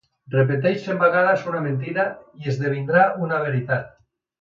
Repeteix cent vegades una mentida i esdevindrà una veritat.